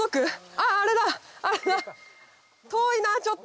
あぁあれだあれだ遠いなちょっと。